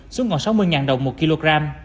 xuống còn sáu mươi đồng một kg